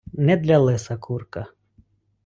Не для лиса курка.